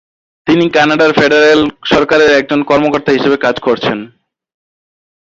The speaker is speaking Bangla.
তিনি কানাডার ফেডারেল সরকারের একজন কর্মকর্তা হিসেবে কাজ করেছেন।